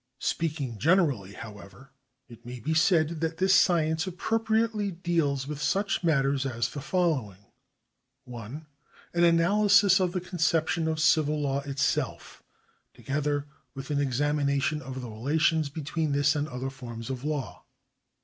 Speaking generally, however, it may be said that this science appropriately deals with such matters as the following : 1. An analysis of the conception of civil law itself, together with an examination of the relations between this and other forms of law.